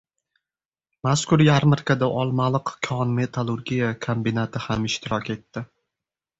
Mazkur yarmarkada Olmaliq kon-metallurgiya kombinati ham ishtirok etadi